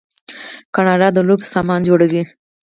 کاناډا د لوبو سامان جوړوي.